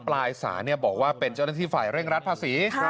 ปลายสายบอกว่าเป็นเจ้าหน้าที่ฝ่ายเร่งรัดภาษี